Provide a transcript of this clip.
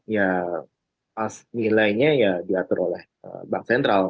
ya nilainya ya diatur oleh bank sentral